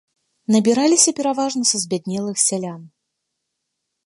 Набіраліся пераважна са збяднелых сялян.